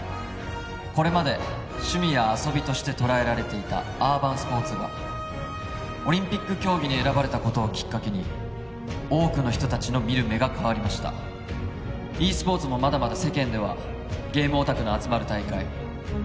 これまで趣味や遊びとして捉えられていたアーバンスポーツがオリンピック競技に選ばれたことをきっかけに多くの人達の見る目が変わりましたｅスポーツもまだまだ世間ではゲームオタクの集まる大会遊びでお金がもらえるなんてという認識だと思います